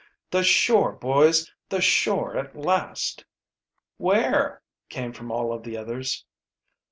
"The shore, boys! The shore at last!" "Where?" came from all of the others.